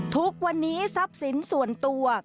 ทุกวันนี้ทรัพย์สินส่วนตัว